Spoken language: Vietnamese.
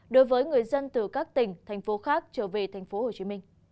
đối với người dân từ các tỉnh thành phố khác trở về tp hcm